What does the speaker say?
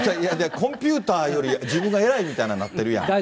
コンピューターより自分がえらいみたいになってるやん。